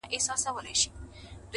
سر مي بلند دی’